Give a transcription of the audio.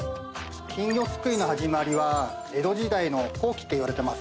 金魚すくいの始まりは江戸時代の後期っていわれてます